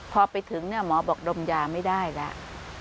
พอไปถึงเนี่ยหมอบอกดมยาไม่ได้แล้ว